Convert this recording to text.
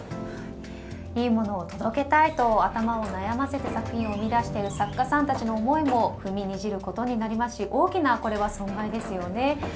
いいものを届けたいと頭を悩ませて作品を生み出している作家さんたちの思いも踏みにじることになりますしこれは大きな損害ですよね。